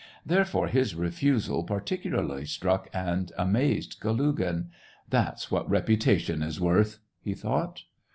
Therefore his refusal particularly struck and amazed Kalugin. " That's what reputation is worth !" he thought.